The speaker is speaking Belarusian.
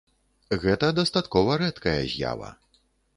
Гэта дастаткова рэдкая з'ява.